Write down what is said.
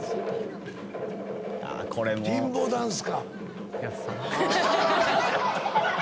リンボーダンスか。